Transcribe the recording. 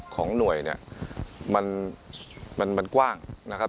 ของหน่วยมันกว้างนะครับ